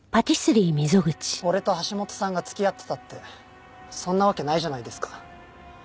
俺と橋本さんが付き合ってたってそんなわけないじゃないですか。